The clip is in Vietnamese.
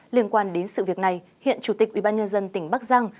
liên quan đến sự việc này hiện chủ tịch ubnd tỉnh bắc giang